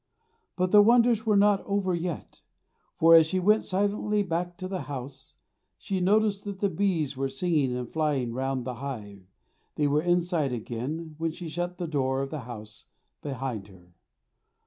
But the wonders were not over yet, for as she went silently back to the house she noticed that the bees were singing and flying round the hive they were inside again, when she shut the door of the house behind her.